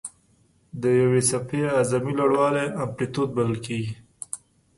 د یوې څپې اعظمي لوړوالی امپلیتیوډ بلل کېږي.